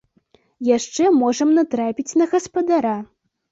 Яшчэ можам натрапіць на гаспадара.